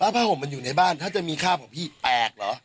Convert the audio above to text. ผ้าห่มมันอยู่ในบ้านถ้าจะมีคาบของพี่แตกเหรอ